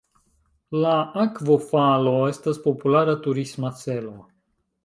La akvofalo estas populara turisma celo.